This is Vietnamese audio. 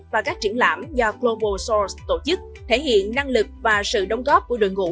và các triển lãm do global source tổ chức thể hiện năng lực và sự đóng góp của đội ngũ